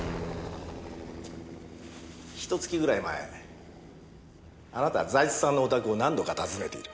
ひと月ぐらい前あなた財津さんのお宅を何度か訪ねている。